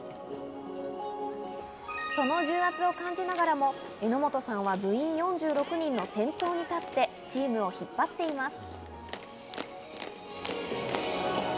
その重圧を感じながらも、榎本さんは部員４６人の先頭に立って、チームを引っ張っています。